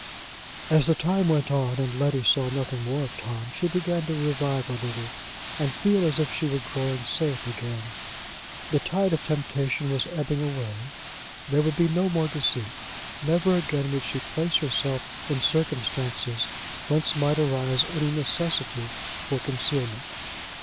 As the time went on, and Letty saw nothing more of Tom, she began to revive a little, and feel as if she were growing safe again. The tide of temptation was ebbing away; there would be no more deceit; never again would she place herself in circumstances whence might arise any necessity for concealment.